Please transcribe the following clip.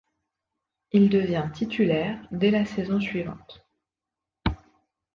Il devient titulaire dès la saison suivante.